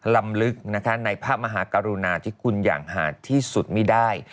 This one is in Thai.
ลำลึกนะคะในพระมหากรุณาที่คุณอย่างหาดที่สุดไม่ได้